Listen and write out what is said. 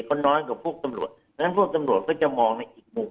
เขาน้อยกว่าพวกตำรวจดังนั้นพวกตำรวจก็จะมองในอีกมุม